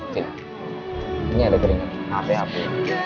tidak ini ada keringan api api